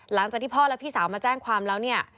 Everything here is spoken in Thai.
หลังจากที่พ่อและพี่สาวมาแจ้งความแล้วเนี่ย